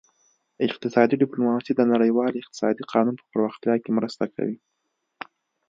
اقتصادي ډیپلوماسي د نړیوال اقتصادي قانون په پراختیا کې مرسته کوي